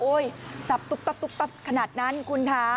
โอ้ยซับตุ๊บขนาดนั้นคุณท้า